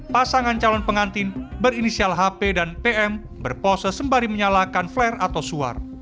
pasangan calon pengantin berinisial hp dan pm berpose sembari menyalakan flare atau suar